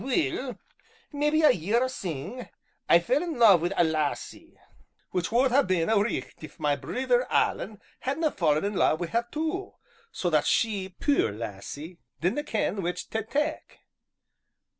Aweel, mebbe a year syne, I fell in love wi' a lassie, which wad ha' been a' richt if ma brither Alan hadna' fallen in love wi' her too, so that she, puir lassie, didna' ken which tae tak'.